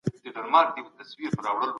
ولې یوه پېښه منځ ته راځي؟